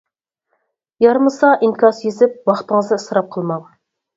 يارىمىسا ئىنكاس يېزىپ ۋاقتىڭىزنى ئىسراپ قىلماڭ!